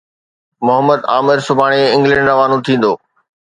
محمد عامر سڀاڻي انگلينڊ روانو ٿيندو